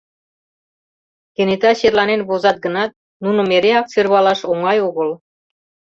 Кенета черланен возат гынат, нуным эреак сӧрвалаш оҥай огыл.